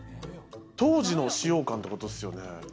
当時の使用感ってことですよね。